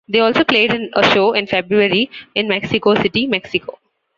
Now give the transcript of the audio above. They also played a show in February in Mexico City, Mexico.